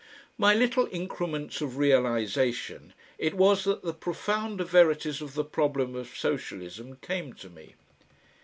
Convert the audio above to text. By little increments of realisation it was that the profounder verities of the problem of socialism came to me.